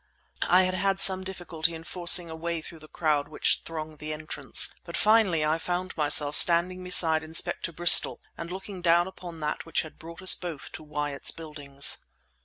I had had some difficulty in forcing a way through the crowd which thronged the entrance, but finally I found myself standing beside Inspector Bristol and looking down upon that which had brought us both to Wyatt's Buildings.